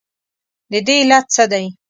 ددې علت څه دی؟